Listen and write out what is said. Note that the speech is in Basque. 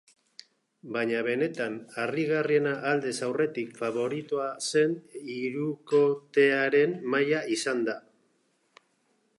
Baina benetan harrigarriena aldez aurretik faboritoa zen hirukotearen maila izan da.